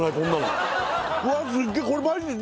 これマジでうわ